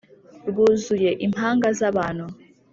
rwuzuye impanga z' abantu